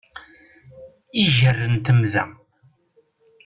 Iger n temda.